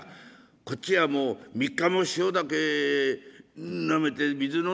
こっちはもう３日も塩だけなめて水飲んで我慢してるんだ。